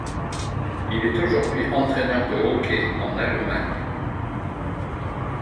Il est aujourd'hui entraîneur de hockey en Allemagne.